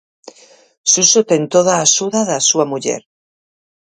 Suso ten toda a axuda da súa muller.